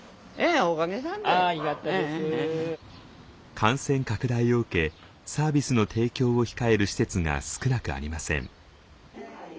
感染拡大を受けサービスの提供を控える施設が少なくありません。